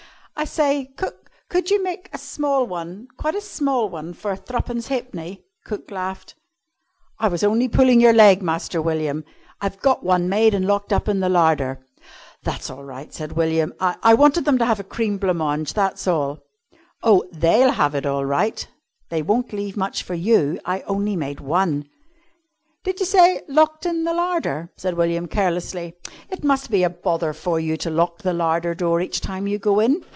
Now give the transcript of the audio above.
"I say, cook, could you make a small one quite a small one for threepence halfpenny?" Cook laughed. "I was only pulling your leg, Master William. I've got one made and locked up in the larder." "That's all right," said William. "I wanted them to have a cream blanc mange, that's all." "Oh, they'll have it all right; they won't leave much for you. I only made one!" "Did you say locked in the larder?" said William carelessly. "It must be a bother for you to lock the larder door each time you go in?"